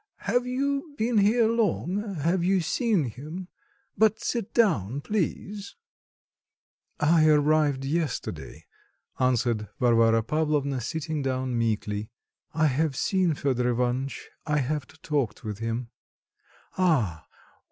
Have you been here long? Have you seen him? But sit down, please." "I arrived yesterday," answered Varvara Pavlovna, sitting down meekly. "I have seen Fedor Ivanitch; I have talked with him." "Ah!